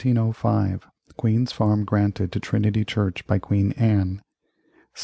Queen's Farm granted to Trinity Church by Queen Anne 1708.